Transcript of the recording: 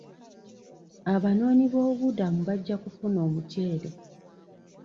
Abanoonyi b'obubuddamu bajja kufuna omuceere.